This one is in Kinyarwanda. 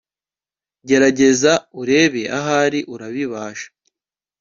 gerageza urebe ahari urabibasha